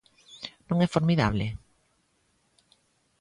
Non é formidable?